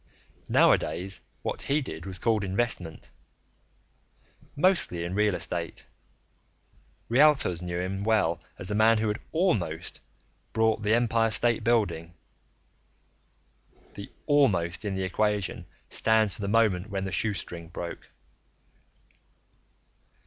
Nowadays what he did was called investment mostly in real estate; realtors knew him well as the man who had almost bought the Empire State Building. (The almost in the equation stands for the moment when the shoestring broke.)